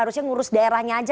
harusnya ngurus daerahnya aja